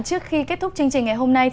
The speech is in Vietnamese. trước khi kết thúc chương trình ngày hôm nay